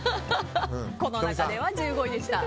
この中では１５位でした。